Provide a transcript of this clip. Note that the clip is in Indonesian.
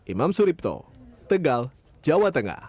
imam suripto tegal jawa tengah